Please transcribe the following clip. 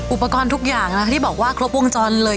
อุปกรณ์ทุกอย่างนะที่บอกว่าครบวงจรเลย